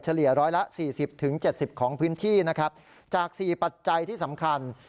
เลียร้อยละสี่สิบถึงเจ็ดสิบของพื้นที่นะครับจากสี่ปัจจัยที่สำคัญ